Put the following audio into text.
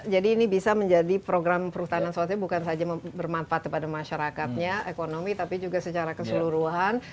jadi ini bisa menjadi program perhutangan sosial bukan saja bermanfaat kepada masyarakatnya ekonomi tapi juga secara keseluruhan